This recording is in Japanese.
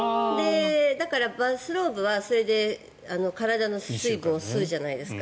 だから、バスローブは体の水分を吸うじゃないですか。